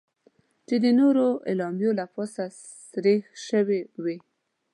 چې د نورو اعلامیو له پاسه سریښ شوې وې.